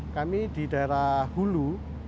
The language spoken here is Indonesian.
kami di daerah hulu